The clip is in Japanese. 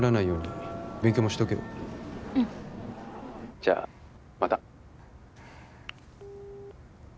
じゃあまた。